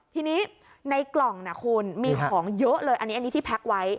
ทีนี้ในกล่องนะคุณมีของเยอะเลยอันนี้ที่แพ็คไว้